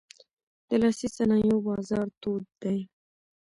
د لاسي صنایعو بازار تود دی.